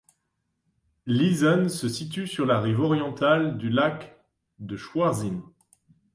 Leezen se situe sur la rive orientale du lac de Schwerin.